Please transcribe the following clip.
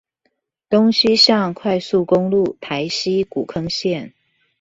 東西向快速公路台西古坑線